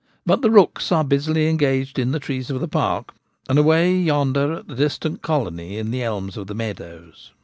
But the rooks are busily engaged in the trees of the park, and away yonder at the distant colony in the elms of the meadows.